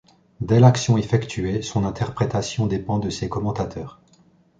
Dès l'action effectuée, son interprétation dépend de ses commentateurs.